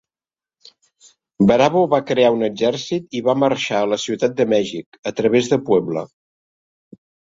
Bravo va crear un exèrcit i va marxar a la ciutat de Mèxic, a través de Puebla.